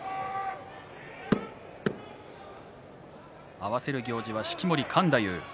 合わせる行司は式守勘太夫。